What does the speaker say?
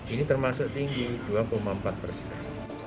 ini termasuk tinggi dua empat persen